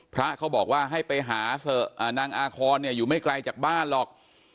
พระเขาบอกว่าให้ไปหานางอาคอนเนี่ยอยู่ไม่ไกลจากบ้านหรอก